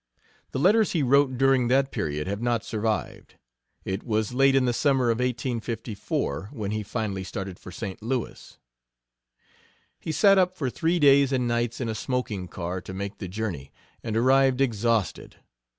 The letters he wrote during that period have not survived. It was late in the summer of 1854 when he finally started for St. Louis. He sat up for three days and nights in a smoking car to make the journey, and arrived exhausted.